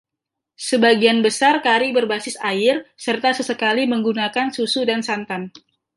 Sebagian besar kari berbasis air, serta sesekali menggunakan susu dan santan.